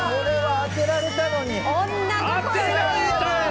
「当てられたやろ！」